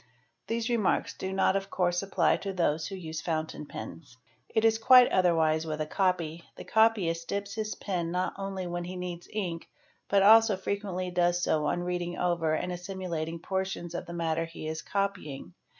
'These remarks do not of course apply to those who 7 use fountain pens. It is quite otherwise with a copy; the copyist dips his pen not only when he needs ink, but also frequently does so on reading over and as: / similating portions of the matter he is copying.